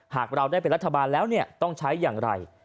หากเราได้เป็นรัฐบาลแล้วต้องใช้อย่างไร